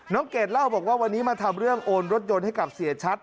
เกดเล่าบอกว่าวันนี้มาทำเรื่องโอนรถยนต์ให้กับเสียชัด